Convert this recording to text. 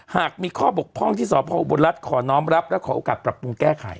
หากมีข้อบกพร่องที่สพออุบลรัฐขอน้องรับและขอโอกาสปรับปรุงแก้ไข